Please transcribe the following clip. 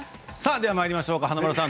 では、まいりましょう華丸さん。